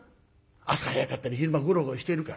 朝早かったり昼間ゴロゴロしてるから。